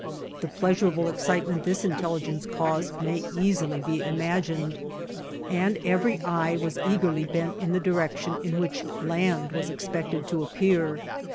The pleasurable excitement this intelligence caused may easily be imagined, and every eye was eagerly bent in the direction in which land was expected to appear.